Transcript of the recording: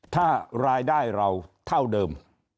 ถ้ารายได้เราเท่าเดิม